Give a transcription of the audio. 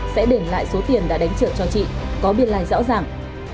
sẽ để lại số tiền đã đánh trợ cho chị có biên lại rõ ràng